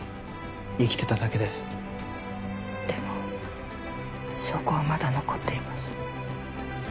生きてただけででも証拠はまだ残っています